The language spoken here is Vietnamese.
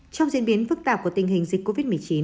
trong diễn biến phức tạp của tình hình dịch covid một mươi chín